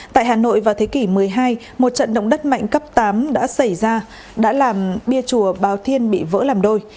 tại hà nội vào thế kỷ một mươi hai một trận động đất mạnh cấp tám đã xảy ra đã làm bia chùa bào thiên bị vỡ làm đôi